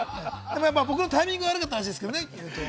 僕のタイミングが悪かったらしいですけれどもね。